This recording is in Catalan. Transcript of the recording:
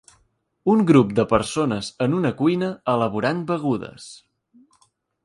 Un grup de persones en una cuina elaborant begudes.